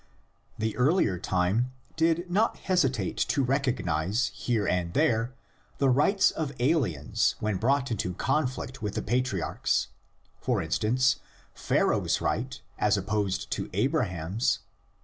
The earlier time did not hesitate to recognise here and there the rights of aliens when brought into conflict with the patriarchs: for instance, Pharaoh's right as opposed to Abraham's (xii.